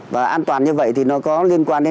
và an toàn như vậy thì nó có liên quan đến